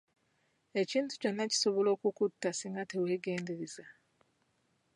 Ekintu kyonna kisobola okukutta singa teweegendereza.